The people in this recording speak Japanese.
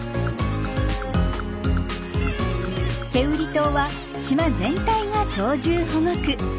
天売島は島全体が鳥獣保護区。